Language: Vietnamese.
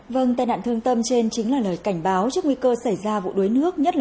vâng tai nạn thương tâm trên chính là lời cảnh báo trước nguy cơ xảy ra vụ đuối nước